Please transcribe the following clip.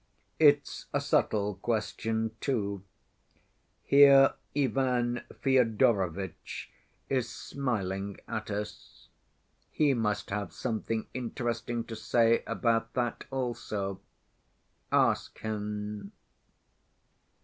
"It's a subtle question, too. Here Ivan Fyodorovitch is smiling at us. He must have something interesting to say about that also. Ask him."